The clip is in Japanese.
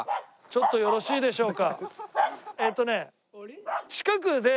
ちょっとよろしいでしょうか？